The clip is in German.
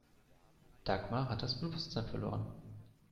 Dagmar hat das Bewusstsein verloren.